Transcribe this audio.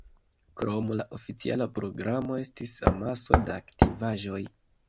Krom la oficiala programo estis amaso da aktivaĵoj.